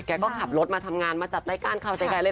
แกก็ขับรถมาทำงานมาจัดรายการเคราะห์ในกิจกรรม